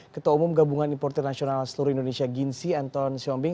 ketua umum gabungan importer nasional seluruh indonesia ginsi anton syombing